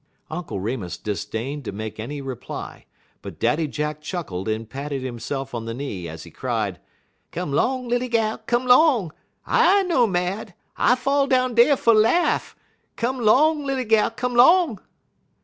Uncle Remus disdained to make any reply, but Daddy Jack chuckled and patted himself on the knee as he cried: "Come 'long, lilly gal! come 'long! I no mad. I fall down dey fer laff. Come 'long, lilly gal, come 'long."